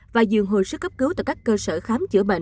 và dường hồi sức cấp cứu tại các cơ sở khám chữa bệnh